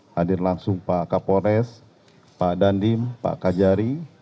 hadir langsung pak kapolres pak dandim pak kajari